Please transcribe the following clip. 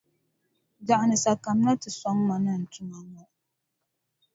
Biɛɣuni sa kamina nti sɔŋ ma ni n tuma ŋɔ.